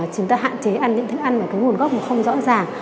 chúng ta hạn chế ăn những thức ăn mà nguồn gốc không rõ ràng